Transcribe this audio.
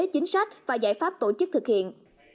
chính sách và giải pháp tổ chức thực hiện